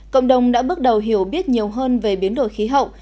cộng đồng đã bước đầu hiểu biết nhiều hơn về biến đổi khí hậu